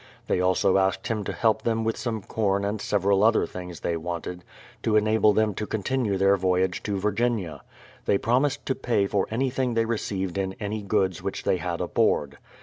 They also asked him to help them with some corn and several other things they wanted, to enable them to continue their voyage to Vir ginia. They promised to pay for anything they received in any goods which they had aboard.